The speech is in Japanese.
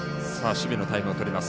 守備のタイムをとります。